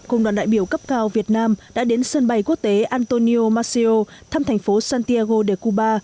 cùng đoàn đại biểu cấp cao việt nam đã đến sân bay quốc tế antonio macio thăm thành phố santiago de cuba